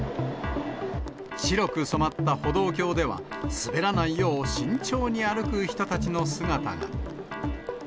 白く染まった歩道橋では、滑らないよう、慎重に歩く人たちの姿が。